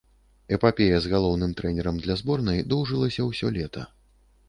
Эпапея з галоўным трэнерам для зборнай доўжылася ўсё лета.